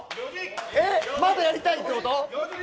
まだやりたいってこと。